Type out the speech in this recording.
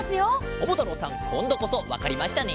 ももたろうさんこんどこそわかりましたね？